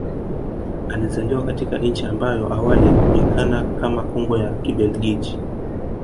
Alizaliwa katika nchi ambayo awali ilijukana kama Kongo ya Kibelgiji